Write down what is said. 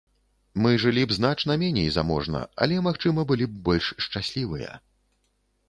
Мы жылі б значна меней заможна, але, магчыма, былі б больш шчаслівыя.